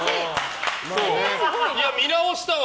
見直したわ！